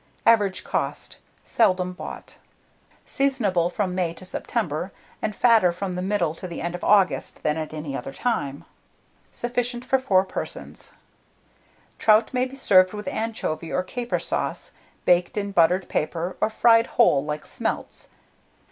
Average cost. Seldom bought. Seasonable from May to September, and fatter from the middle to the end of August than at any other time. Sufficient for 4 persons. Trout may be served with anchovy or caper sauce, baked in buttered paper, or fried whole like smelts.